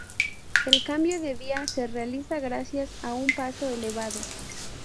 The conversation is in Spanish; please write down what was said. El cambio de vía se realiza gracias a un paso elevado.